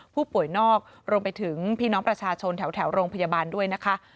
ผู้ป่วยนอกรวมไปถึงพี่น้องประชาชนแถวโรงพยาบาลด้วยนะคะ